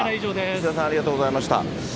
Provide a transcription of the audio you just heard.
石澤さん、ありがとうございました。